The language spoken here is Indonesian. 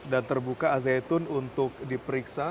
dan terbuka azaytun untuk diperiksa